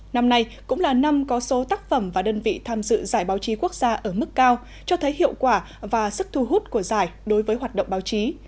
năm nay cũng là năm có số tác phẩm và đơn vị tham dự giải báo chí quốc gia ở mức cao cho thấy hiệu quả và sức thu hút của giải đối với hoạt động báo chí